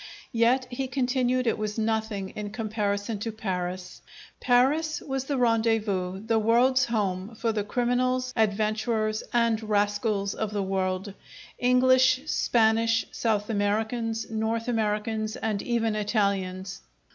Yet, he continued, it was nothing in comparison to Paris. Paris was the rendezvous, the world's home, for the criminals, adventurers, and rascals if the world, English, Spanish, South Americans, North Americans, and even Italians!